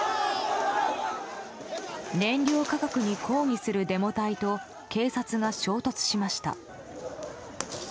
燃料価格に抗議するデモ隊と警察が衝突しました。